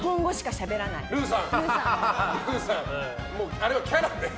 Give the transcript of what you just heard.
あれはキャラで。